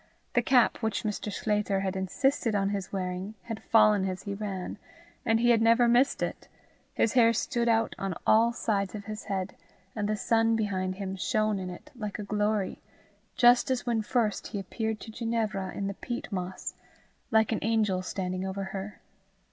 The cap which Mr. Sclater had insisted on his wearing had fallen as he ran, and he had never missed it; his hair stood out on all sides of his head, and the sun behind him shone in it like a glory, just as when first he appeared to Ginevra in the peat moss, like an angel standing over her.